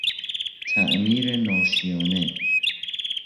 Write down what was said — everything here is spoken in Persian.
تعمیر ناشیانه